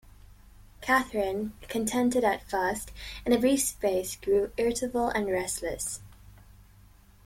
Catherine, contented at first, in a brief space grew irritable and restless.